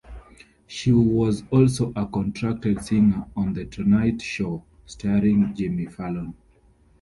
She was also a contracted singer on "The Tonight Show Starring Jimmy Fallon".